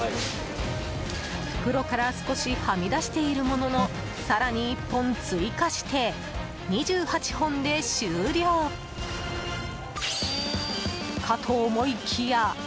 袋から少しはみ出しているものの更に１本追加して２８本で終了かと思いきや